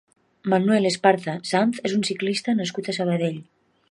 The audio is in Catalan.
Manuel Esparza Sanz és un ciclista nascut a Sabadell.